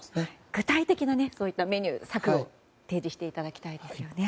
具体的なメニュー、策を提示していただきたいですよね。